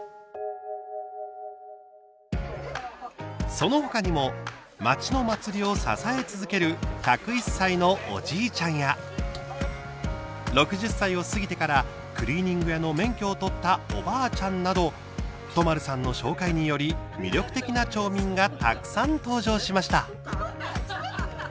その他にも町の祭りを支え続ける１０１歳のおじいちゃんや６０歳を過ぎてからクリーニング屋の免許を取ったおばあちゃんなど都丸さんの紹介により魅力的な町民がたくさん登場しました。